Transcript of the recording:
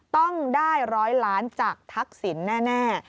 ต้องได้๑๐๐ล้านจากทักษิณแน่